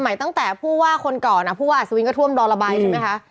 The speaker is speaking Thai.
สมัยตั้งแต่คนก่อนพูดว่าสวิ้นกระทั่วมดอลลาบัยใช่ไหมคะ